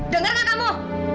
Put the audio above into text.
dengar nggak kamu